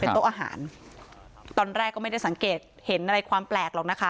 โต๊ะอาหารตอนแรกก็ไม่ได้สังเกตเห็นอะไรความแปลกหรอกนะคะ